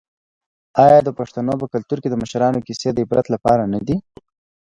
آیا د پښتنو په کلتور کې د مشرانو کیسې د عبرت لپاره نه دي؟